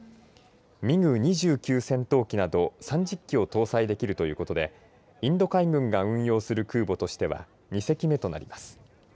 ミグ２９戦闘機など３０機を搭載できるということでインド海軍が運用する空母としては２隻目となります。